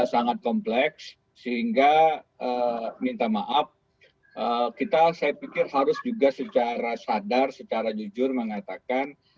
sangat kompleks sehingga minta maaf kita saya pikir harus juga secara sadar secara jujur mengatakan